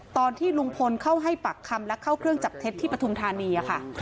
ตอนที่ลุงพลเข้าให้ปากคำและเข้าเครื่องจับเท็จที่ปฐุมธานีค่ะ